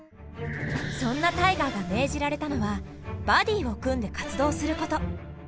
そんなタイガーが命じられたのはバディを組んで活動すること。